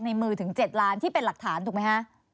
มือถึง๗ล้านที่เป็นหลักฐานถูกไหมฮะ